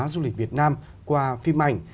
du lịch việt nam qua phim ảnh